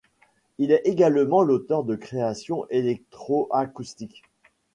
Elle est également l'auteur de créations électroacoustiques.